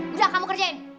udah kamu kerjain